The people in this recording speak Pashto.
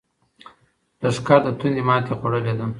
لښکر له تندې ماتې خوړلې ده.